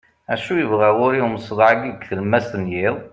acu yebɣa ɣur-i umseḍḍeɛ-agi deg tlemmast n yiḍ